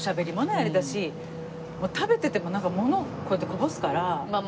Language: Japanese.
あれだし食べててもなんかものこうやってこぼすから。